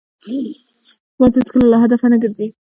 باز هېڅکله له هدفه نه ګرځي